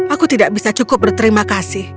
aku tidak bisa cukup berterima kasih